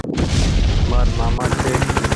مآر مآمآ ڇي۔